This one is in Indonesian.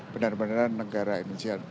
benar benar negara indonesia